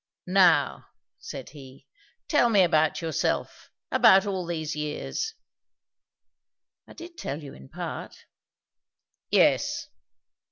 "Now," said he, "tell me about yourself about all these years." "I did tell you, in part." "Yes.